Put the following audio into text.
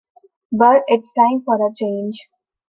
But it's time for a change.